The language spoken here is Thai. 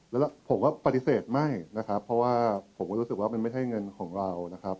แล้วผมก็ปฏิเสธไม่นะครับเพราะว่าผมก็รู้สึกว่ามันไม่ใช่เงินของเรานะครับ